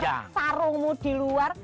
kamu juga di luar